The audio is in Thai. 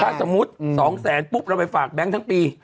ถ้าสมมุติ๒แสนปุ๊บเราไปฝากแบงค์ทั้งปี